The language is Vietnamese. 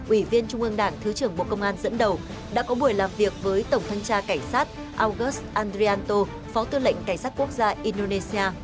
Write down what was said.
ủy viên trung ương đảng thứ trưởng bộ công an dẫn đầu đã có buổi làm việc với tổng thanh tra cảnh sát august andrianto phó tư lệnh cảnh sát quốc gia indonesia